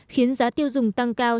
khiến giá tiêu dùng tăng cao